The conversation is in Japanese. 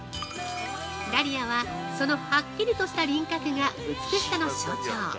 ダリアは、そのはっきりとした輪郭が美しさの象徴。